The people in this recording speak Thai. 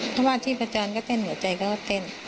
เพราะว่าที่ประจำก็เต้นหัวใจก็เต้น